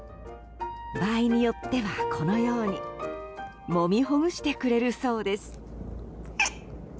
場合によっては、このようにもみほぐしてくれるそうです。